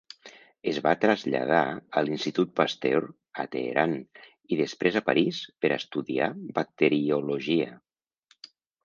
Es va traslladar a l'Institut Pasteur a Teheran i després a París per estudiar bacteriologia.